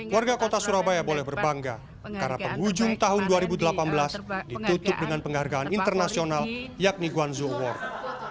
warga kota surabaya boleh berbangga karena penghujung tahun dua ribu delapan belas ditutup dengan penghargaan internasional yakni guanzoo award